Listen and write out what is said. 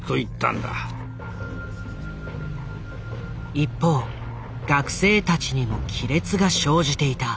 一方学生たちにも亀裂が生じていた。